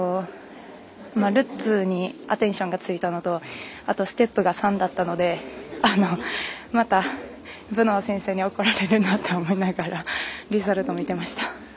ルッツにアテンションがついたのとあとステップが３だったのでまた、先生に怒られるなと思いながらリザルトを見てました。